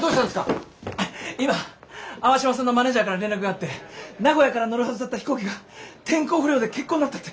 今淡島さんのマネージャーから連絡があって名古屋から乗るはずだった飛行機が天候不良で欠航になったって。